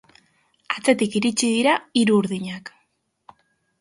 Atzetik iritsi dira hiru urdinak.